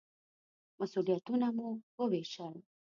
مسوولیتونه مو ووېشل.